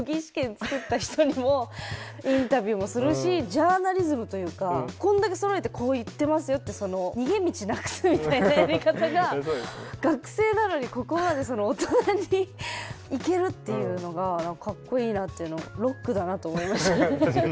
ジャーナリズムというかこんだけそろえて「こう言ってますよ」って逃げ道なくすみたいなやり方が学生なのにここまで大人にいけるっていうのがかっこいいなというロックだなと思いましたね。